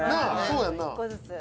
そうやんな」